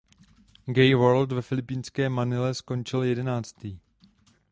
Gay World ve filipínské Manile skončil jedenáctý.